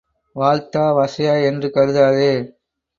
வாழ்த்தா, வசையா என்று கருதாதே.